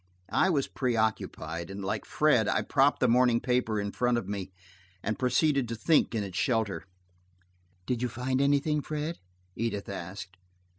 I was preoccupied, and, like Fred, I propped the morning paper in front of me and proceeded to think in its shelter. "Did you find anything, Fred?" Edith asked.